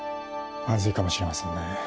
マズいかもしれませんね